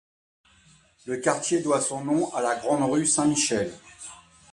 Le quartier doit son nom à la Grande Rue Saint-Michel.